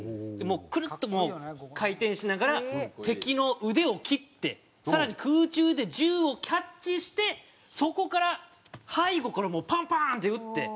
クルッともう回転しながら敵の腕を切って更に空中で銃をキャッチしてそこから背後からもパンパンって撃って。